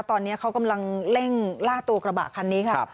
ตอนนี้เขากำลังเร่งล่าตัวกระบะคันนี้ค่ะ